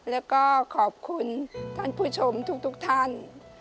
แล้วก็ขอบคุณท่านผู้ชมทุกท่าน